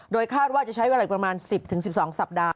คาดว่าจะใช้เวลาประมาณ๑๐๑๒สัปดาห